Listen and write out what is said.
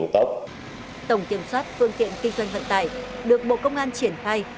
tổng kiểm soát phương tiện kinh doanh vận tải được bộ công an triển khai